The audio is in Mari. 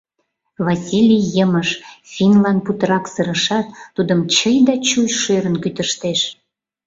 Васлий йымыш, финнлан путырак сырышат, тудым чый да чуй шӧрын кӱтыштеш.